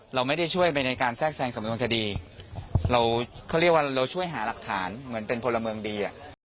เราไม่ได้ช่วยไปในการแทรกแทรงสำนวนทดี